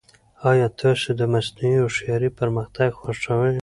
ایا تاسو د مصنوعي هوښیارۍ پرمختګ خوښوي؟